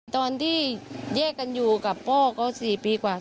ตอนที่แยกกันอยู่กับพ่อก็๔ปีกว่า